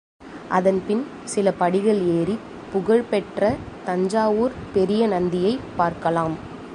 அதன் பின் சில படிகள் ஏறிப் புகழ் பெற்ற தஞ்சாவூர் பெரிய நந்தியைப் பார்க்கலாம்.